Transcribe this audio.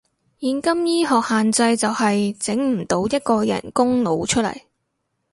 現今醫學限制就係，整唔到一個人工腦出嚟